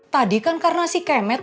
tadi kan karena si kemet